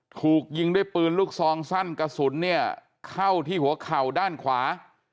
ถูกยิงด้วยปืนลูกซองสั้นกระสุนเนี่ยเข้าที่หัวเข่าด้านขวา